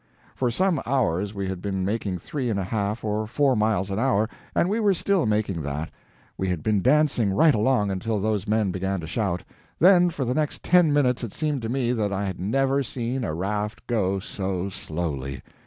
For some hours we had been making three and a half or four miles an hour and we were still making that. We had been dancing right along until those men began to shout; then for the next ten minutes it seemed to me that I had never seen a raft go so slowly.